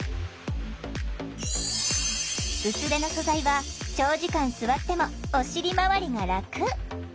薄手の素材は長時間座ってもお尻回りが楽。